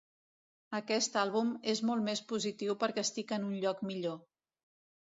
Aquest àlbum és molt més positiu perquè estic en un lloc millor.